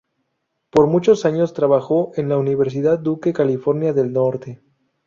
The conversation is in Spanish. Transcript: Por muchos años trabajó en la Universidad Duke, Carolina del Norte.